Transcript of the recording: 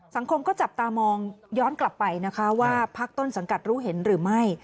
สังคมก็จับตามองย้อนกลับไปนะคะว่าพักต้นสังกัดรู้เห็นหรือไม่